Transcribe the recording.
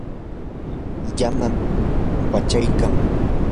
llamam wachaykan.